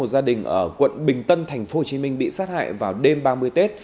một gia đình ở quận bình tân thành phố hồ chí minh bị sát hại vào đêm ba mươi tết